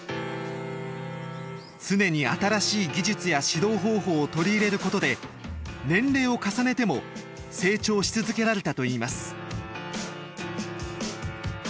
常に新しい技術や指導方法を取り入れることで年齢を重ねても成長し続けられたといいます。